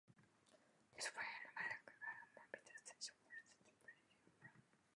This will involve rebuilding and moving the station further to Heatherton Road.